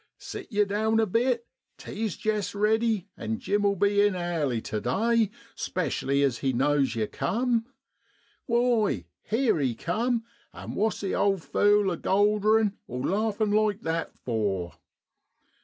6 Sit ye down a bit, tea's jest riddy, and Jim '11 be in airly tu day, 'specially as he knows yer cum. Why ! here he cum an' wha's the owd fule a golderin' like that for?